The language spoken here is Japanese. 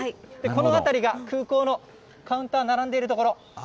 この辺りが空港のカウンター、並んでいるところ。